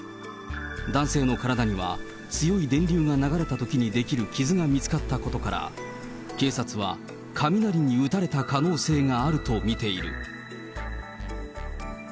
男性の体には強い電流が流れたときに出来る傷が見つかったことから、警察は雷に打たれた可能性があると見ている。